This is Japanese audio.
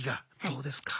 どうですか？